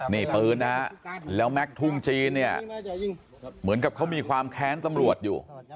นี่ปืนนะฮะแล้วแม็กซ์ทุ่งจีนเนี่ยเหมือนกับเขามีความแค้นตำรวจอยู่